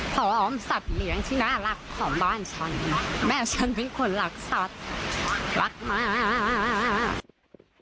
สัตว์เลี้ยงที่น่ารักของบ้านฉันแม่ฉันเป็นคนรักสัตว์รักมาก